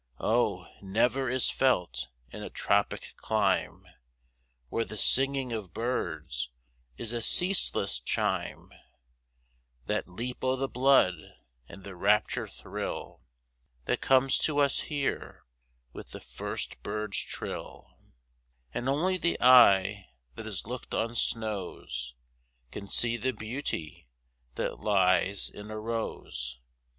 Oh, never is felt in a tropic clime, Where the singing of birds is a ceaseless chime, That leap o' the blood, and the rapture thrill, That comes to us here, with the first bird's trill; And only the eye that has looked on snows Can see the beauty that lies in a rose.